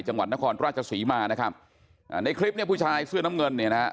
จังหวัดนครราชศรีมานะครับอ่าในคลิปเนี่ยผู้ชายเสื้อน้ำเงินเนี่ยนะฮะ